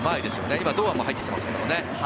今、堂安も入ってきてますけどね。